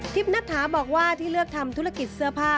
นัทถาบอกว่าที่เลือกทำธุรกิจเสื้อผ้า